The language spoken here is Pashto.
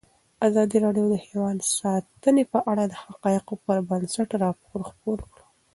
ازادي راډیو د حیوان ساتنه په اړه د حقایقو پر بنسټ راپور خپور کړی.